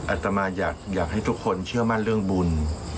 อาตมาอยากให้ทุกคนเชื่อมั่นเรื่องบุญ